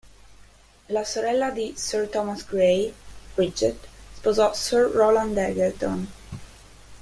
La sorella di sir Thomas Grey, Bridget, sposò Sir Roland Egerton.